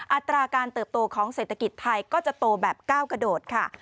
อัตราการเติบโตของเศรษฐกิจไทยก็จะโตแบบก้าวกระโดดค่ะ